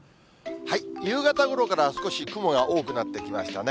夕方ごろから少し雲が多くなってきましたね。